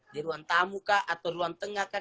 di ruang tamu kah atau ruang tengah kah